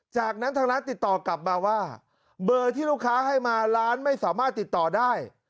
จากนั้นทางร้านติดต่อกลับมาว่าเบอร์ที่ลูกค้าให้มาร้านไม่สามารถติดต่อได้